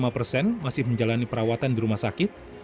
lima persen masih menjalani perawatan di rumah sakit